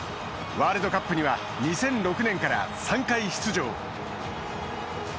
ワールドカップには２００６年から３回出場。